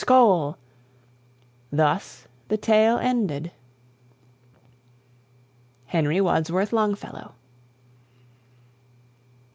skoal!" Thus the tale ended. HENRY WADSWORTH LONGFELLOW.